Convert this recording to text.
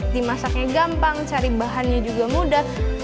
dimasaknya gampang cari bahannya juga mudah